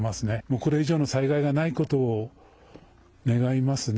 これ以上の災害がないことを願いますね。